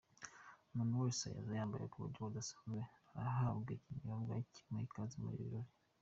Umuntu wese uza yambaye mu buryo budasanzwe, arahabwa ikinyobwa kimuha ikaze muri ibi birori.